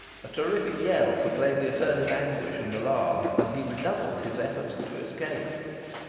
A terrific yell proclaimed the attorney's anguish and alarm, and he redoubled his efforts to escape.